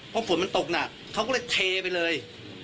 เพราะฝนมันตกหนักเขาก็เลยเทไปเลย